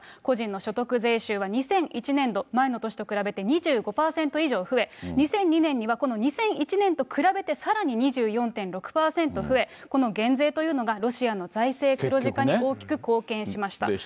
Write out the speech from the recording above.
個人の所得税収は２００１年度、前の年と比べて２５％以上増え、２００２年にはこの２００１年と比べてさらに２４．６％増え、この減税というのが、ロシアの財政黒字化に大きく貢献しました。